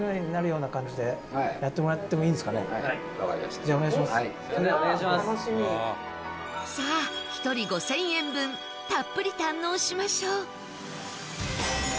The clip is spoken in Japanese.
「じゃあお願いします」さあ１人５０００円分たっぷり堪能しましょう！